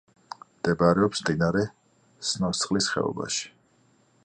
მდებარეობს მდინარე სნოსწყლის ხეობაში.